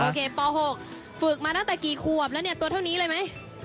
ป๖ฝึกมาตั้งแต่กี่ขวบแล้วเนี่ยตัวเท่านี้เลยไหม